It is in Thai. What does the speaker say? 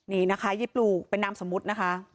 นี่นะคะยี่ปลูกเป็นนามสมมุตินะคะ